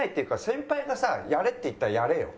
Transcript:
先輩がさやれって言ったらやれよ。